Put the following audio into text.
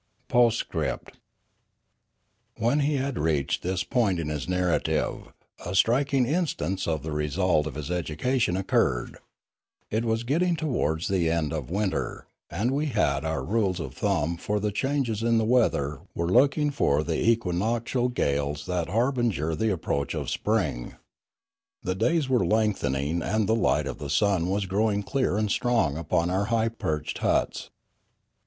POSTSCRIPT TO LIMANORA WHEN he had reached this point in his narrative, a striking instance of the result of his educa tion occurred. It was getting towards the end of win ter, and we who had our rules of thumb for the changes in the weather were looking for the equinoctial gales that harbinger the approach of spring. The days were lengthening, and the light of the sun was growing clear and strong upon our high perched huts.